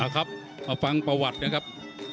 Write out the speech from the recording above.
อ๋อครับมาฟังประวัติเนี่ยครับ